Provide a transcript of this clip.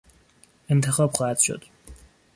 انتخاب خواهد شد